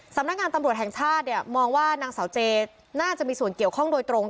สำนักงานตำรวจแห่งชาติเนี่ยมองว่านางสาวเจน่าจะมีส่วนเกี่ยวข้องโดยตรง